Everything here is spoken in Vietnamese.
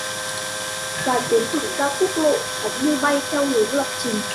Và tiến thẳng ra quốc lộ, phóng như bay theo hướng lập trình